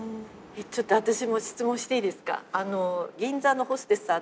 ちょっと私も質問していいですか？